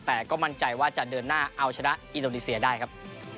แต่ก็มั่นใจว่าจะเดินหน้าเอาชนะอินโดนีเซียได้ครับ